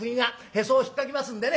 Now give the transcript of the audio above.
へそをひっかきますんでね。